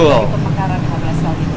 dari pemekaran lima belas tahun itu